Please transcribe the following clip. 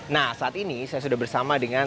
nah saat ini saya sudah bersama dengan